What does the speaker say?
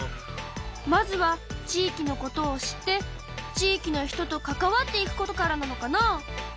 まずは地域のことを知って地域の人と関わっていくことからなのかな。